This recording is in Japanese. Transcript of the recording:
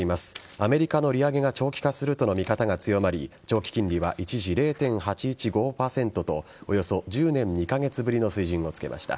アメリカの利上げが長期化するとの見方が強まり長期金利は一時、０．８１５％とおよそ１０年２カ月ぶりの水準を付けました。